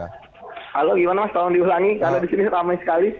halo gimana mas tolong diulangi karena di sini ramai sekali